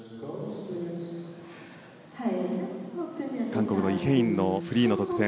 韓国のイ・ヘインのフリーの得点。